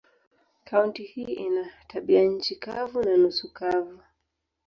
Kaunti hii ina tabianchi kavu na nusu kavu.